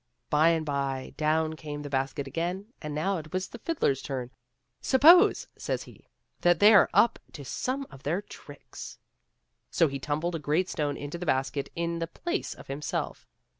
By and by down came the basket again, and now it was the fiddler's turn. " Suppose," says he, " that they are up to some of their tricks !" So he tumbled a great stone into the basket in the place of himself.